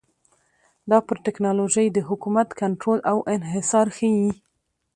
دا پر ټکنالوژۍ د حکومت کنټرول او انحصار ښيي